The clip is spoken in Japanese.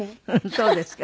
そうですか？